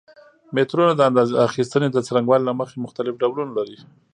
مترونه د اندازه اخیستنې د څرنګوالي له مخې مختلف ډولونه لري.